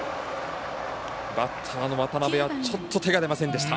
バッターの渡邊は、ちょっと手が出ませんでした。